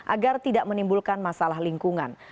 agar tidak menimbulkan masalah lingkungan